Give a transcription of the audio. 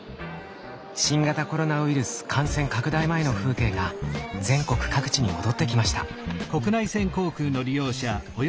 新型コロナウイルス感染拡大前の風景が全国各地に戻ってきました。